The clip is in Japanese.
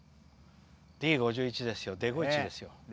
Ｄ５１ですよ、デゴイチですよ。